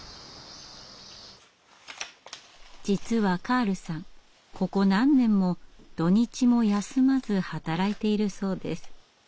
実はカールさんここ何年も土日も休まず働いているそうです。